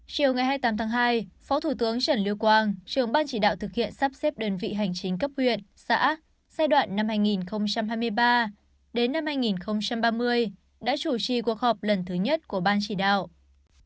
chiều ngày hai mươi tám tháng hai phó thủ tướng trần lưu quang trường ban chỉ đạo thực hiện sắp xếp đơn vị hành chính cấp huyện xã giai đoạn năm hai nghìn hai mươi ba đến năm hai nghìn ba mươi đã chủ trì cuộc họp lần thứ nhất của ban chỉ đạo